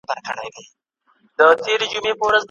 هغه شملې ته پیدا سوی سر په کاڼو ولي